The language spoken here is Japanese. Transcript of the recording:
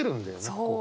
そう。